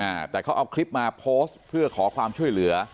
อ่าแต่เขาเอาคลิปมาโพสต์เพื่อขอความช่วยเหลือ